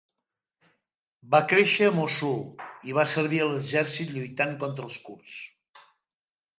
Va créixer a Mossul i va servir a l'exèrcit lluitant contra els kurds.